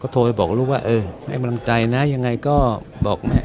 โทรไปบอกลูกว่าเออให้กำลังใจนะยังไงก็บอกแม่